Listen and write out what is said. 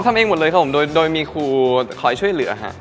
ทำเองหมดเลยครับผมโดยมีครูคอยช่วยเหลือฮะ